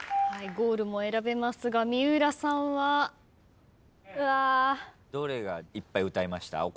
ゴールも選べますが三浦さんは？うわ。どれがいっぱい歌いました？